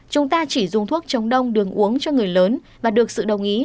chúng ta chỉ dùng thuốc chống đông đường uống cho người lớn và được sự đồng ý